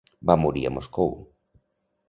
Va morir a Moscou.